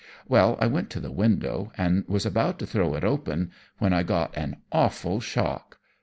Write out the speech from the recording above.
"Well, I went to the window and was about to throw it open, when I got an awful shock.